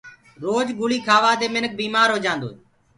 روج گُݪي کهآوآ دي منک بيمآر هوجآندو هي۔